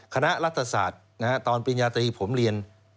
คณะรัฐศาสตร์ตอนปริญญาตรีผมเรียน